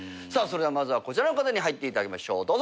それではまずはこちらの方に入っていただきましょう。